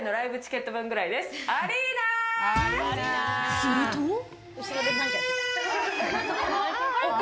すると。